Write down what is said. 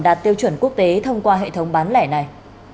đạt tiêu chuẩn quốc tế thông qua hệ thống bán lẻ này